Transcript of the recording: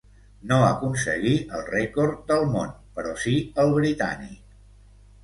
No aconseguí el rècord del món, però sí el britànic.